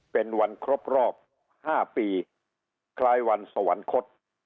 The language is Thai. เป็นวันครบรอบ๕ปีคล้ายวันสวรรคต